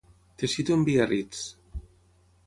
Te cito en Biarritz.